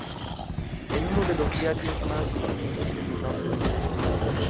Es uno de los diarios más difundidos en el norte de Grecia.